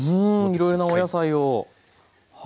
いろいろなお野菜をはい。